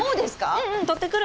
うんうん取ってくる！